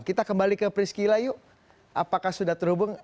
kita kembali ke priscila yuk apakah sudah terhubung